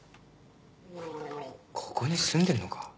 ここに住んでるのか？